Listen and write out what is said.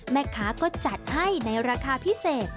แม่ค้าก็จัดให้ในราคาพิเศษ